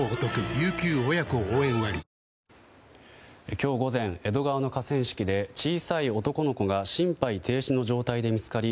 今日午前江戸川の河川敷で小さい男の子が心肺停止の状態で見つかり